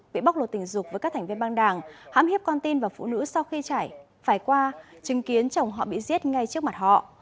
bị bóc lột tình dục với các thành viên băng đảng hãm hiếp con tin và phụ nữ sau khi chảy phải qua chứng kiến chồng họ bị giết ngay trước mặt họ